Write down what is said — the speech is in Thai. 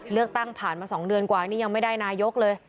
เลือกตั้งผ่านมา๒เดือนกว่านี่ยังไม่ได้นายกเลย